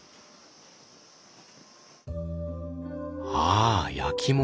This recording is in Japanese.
ああ焼き物。